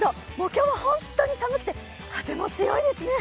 今日は本当に寒くて、風も強いですね。